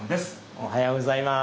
おはようございます。